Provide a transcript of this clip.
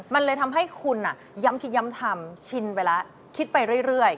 มันเลยทำให้คุณย้ำคิดย้ำทำชินไปแล้วคิดไปเรื่อย